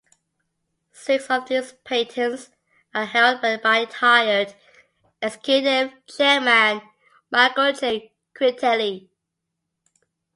Six of these patents are held by retired Executive Chairman Michael J. Critelli.